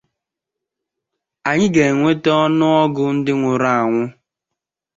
anyị ga-nwete ọnụ ọgụ ndị nwụrụ anwụ